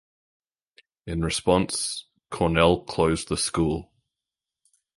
In response, Cornell closed the school.